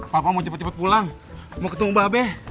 papa mau cepet cepet pulang mau ketemu babe